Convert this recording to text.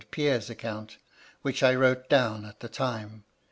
Pierre's account^ which I wrote down at the time.